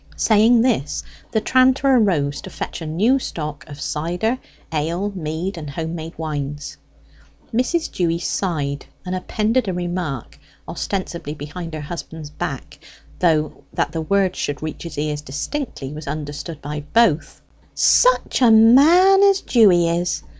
Saying this the tranter arose to fetch a new stock of cider, ale, mead, and home made wines. Mrs. Dewy sighed, and appended a remark (ostensibly behind her husband's back, though that the words should reach his ears distinctly was understood by both): "Such a man as Dewy is!